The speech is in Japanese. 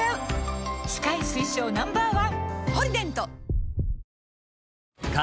歯科医推奨 Ｎｏ．１！